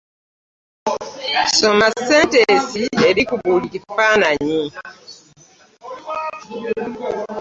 Soma sentensi eri ku buli kifaananyi.